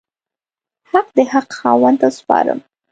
حق د حق خاوند ته وسپارم.